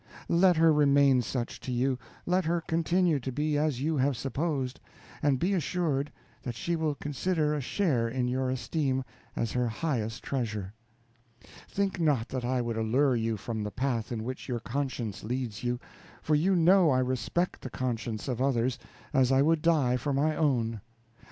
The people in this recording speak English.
Let her remain such to you, let her continue to be as you have supposed, and be assured that she will consider a share in your esteem as her highest treasure. Think not that I would allure you from the path in which your conscience leads you; for you know I respect the conscience of others, as I would die for my own.